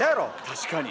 確かに。